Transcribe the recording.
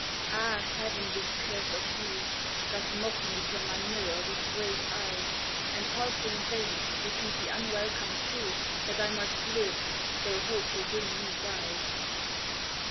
Ah! heaven, this curse of youth Doth mock me from my mirror with great eyes, And pulsing veins repeat the unwelcome truth, That I must live, though hope within me dies.